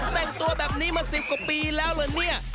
แต่งตัวแบบนี้มา๑๐กว่าปีแล้วเหรอเนี่ย